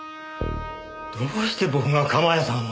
どうして僕が鎌谷さんを。